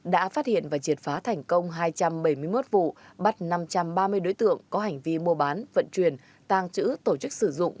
đã phát hiện và triệt phá thành công hai trăm bảy mươi một vụ bắt năm trăm ba mươi đối tượng có hành vi mua bán vận chuyển tàng trữ tổ chức sử dụng